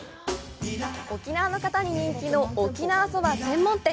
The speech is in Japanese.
沖縄の方に人気の沖縄そば専門店。